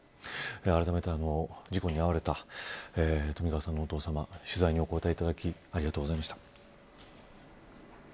あらためて事故に遭われた冨川さんのお父様取材にお答えいただきありがとうございました。